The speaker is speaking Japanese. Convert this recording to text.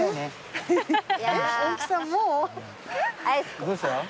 どうした？